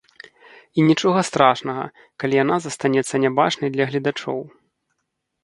І нічога страшнага, калі яна застанецца нябачнай для гледачоў.